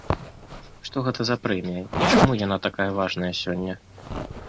Што гэта за прэмія і чаму яна такая важная сёння?